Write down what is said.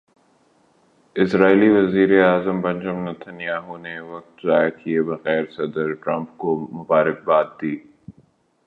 اسرائیلی وزیر اعظم Benjamin Nitin Yahoo نے وقت ضائع کیے بغیر صدر ٹرمپ کو مبارک باد دی۔